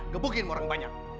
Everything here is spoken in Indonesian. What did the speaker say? gebukin orang banyak